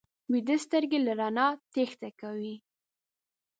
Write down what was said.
ویده سترګې له رڼا تېښته کوي